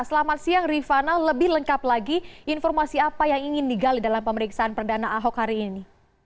selamat siang rifana lebih lengkap lagi informasi apa yang ingin digali dalam pemeriksaan perdana ahok hari ini